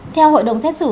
theo hội đồng xét xử